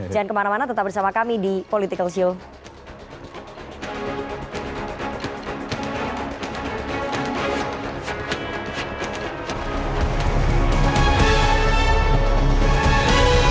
jangan kemana mana tetap bersama kami di political show